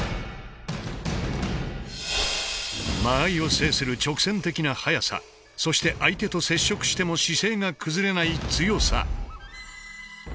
間合いを制する直線的な速さそして相手と接触しても姿勢が崩れない強さ。